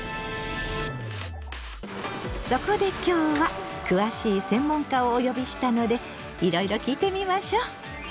そこで今日は詳しい専門家をお呼びしたのでいろいろ聞いてみましょう！